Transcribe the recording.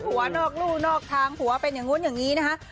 หัวนอกรู่นอกทางหัวเป็นอย่างนู้นอย่างนี้นะคะ